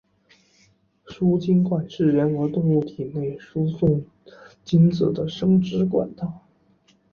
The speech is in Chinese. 输精管是人和动物体内输送精子的生殖管道。